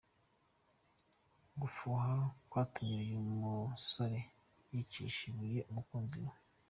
gufuha kwatumye uyu musore yicisha ibuye umukunzi we.